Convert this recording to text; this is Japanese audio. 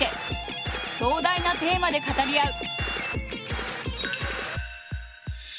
壮大なテーマで語り合う！